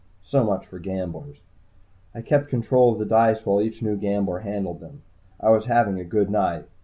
So much for gamblers. I kept control of the dice while each new gambler handled them. I was having a good night.